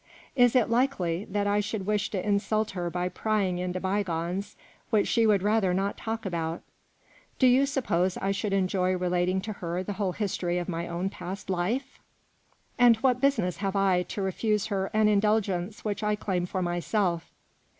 Is it likely that I should wish to insult her by prying into bygones which she would rather not talk about ? Do you suppose I should enjoy re lating to her the whole history of my own past 24 THE ROMANCE OF life ? And what business have I to refuse her an indulgence which I claim for myself?"